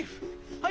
はい。